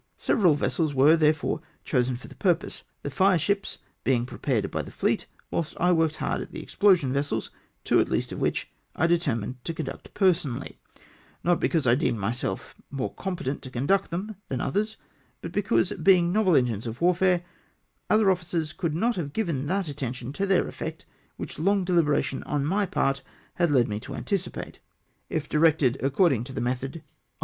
Several vessels were, therefore, chosen for the purpose ; the fire ships being prepared by the fleet, whilst I worked hard at the explosion vessels, two, at least, of which I deter mined to conduct personally; not because I deemed myself more competent to conduct them than others, but because, being novel engines of warfare, other officers could not have given that attention to their effect which long dehberation on my part had led me to anticipate, if directed according to the method on 368 EXPLOSION VESSELS.